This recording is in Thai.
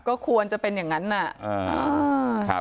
ก็ควรจะเป็นอย่างงั้นน่ะอ่าครับ